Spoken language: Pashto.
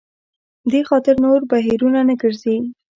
دې خاطر نور بهیرونه نه ګرځي.